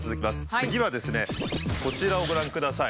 次はですねこちらをご覧ください。